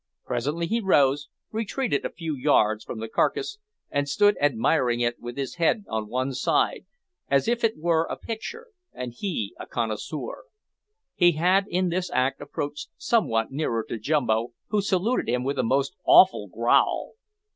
Presently he rose, retreated a few yards from the carcase, and stood admiring it with his head on one side, as if it were a picture and he a connoisseur. He had in this act approached somewhat nearer to Jumbo, who saluted him with a most awful growl.